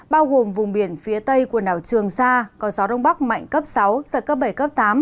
cùng vùng biển phía tây của đảo trường sa có gió rung bắc mạnh cấp sáu giật cấp bảy tám